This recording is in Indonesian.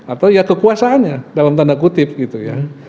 atau ya kekuasaannya dalam tanda kutip gitu ya